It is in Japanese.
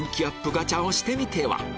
ガチャをしてみては？